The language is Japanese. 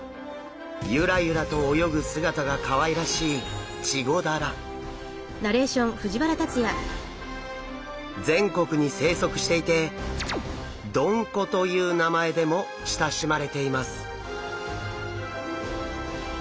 ユラユラと泳ぐ姿がかわいらしい全国に生息していて「どんこ」という名前でも親しまれています。